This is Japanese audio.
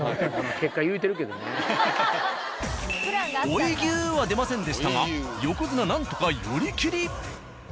「おいぎゅー」は出ませんでしたが横綱何とか寄り切り。